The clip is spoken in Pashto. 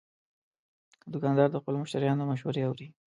دوکاندار د خپلو مشتریانو مشورې اوري.